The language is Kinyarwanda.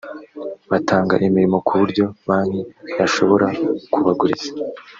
batanga imirimo ku buryo banki yashobora kubaguriza